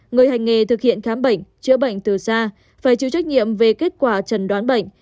người hành nghề thực hiện khám bệnh chữa bệnh từ xa phải chịu trách nhiệm về kết quả trần đoán bệnh